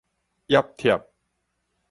揜貼